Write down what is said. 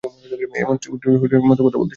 এসব স্টুপিডের মতো কথা বলতেছো।